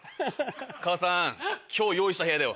母さん今日用意した部屋だよ